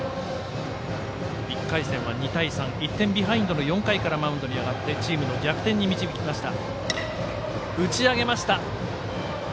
１回戦は２対３１点ビハインドの４回からマウンドに上がってチームを逆転に導きました。